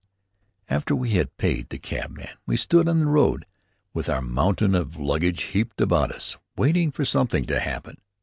After we had paid the cabman, we stood in the road, with our mountain of luggage heaped about us, waiting for something to happen.